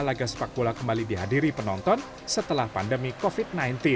laga sepak bola kembali dihadiri penonton setelah pandemi covid sembilan belas